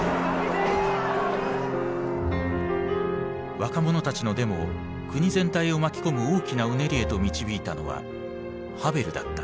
若者たちのデモを国全体を巻き込む大きなうねりへと導いたのはハヴェルだった。